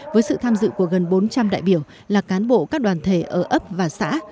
với sự tham dự của gần bốn trăm linh đại biểu là cán bộ các đoàn thể ở ấp và xã